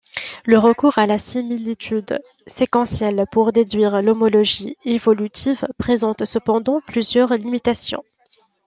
Le recours à la similitude séquentielle pour déduire l'homologie évolutive présente cependant plusieurs limitations.